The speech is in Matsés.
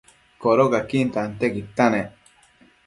Codocaquin tantiaquidta nec